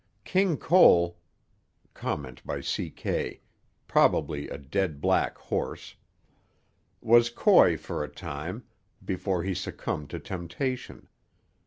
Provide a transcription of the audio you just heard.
King Cole (Comment by C. K.: Probably a dead black horse) was coy for a time, before he succumbed to temptation.